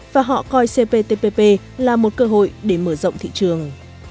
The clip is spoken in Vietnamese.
và họ coi cptpp là một cơ hội để mở rộng thị trường